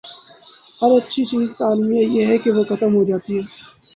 ہر اچھی چیز کا المیہ یہ ہے کہ وہ ختم ہو جاتی ہے۔